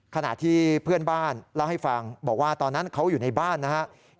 ขณะที่เพื่อนบ้านเล่าให้ฟังบอกว่าตอนนั้นเขาอยู่ในบ้านนะครับ